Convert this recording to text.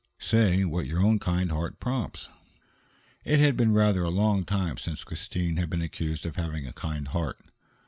"Say what your own kind heart prompts." It had been rather a long time since Christine had been accused of having a kind heart.